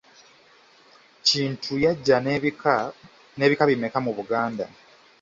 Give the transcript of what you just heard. Kintu yajja n'ebika bimeka mu Buganda?